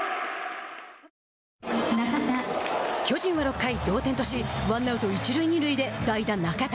巨人は６回、同点としワンアウト、一塁二塁で代打中田。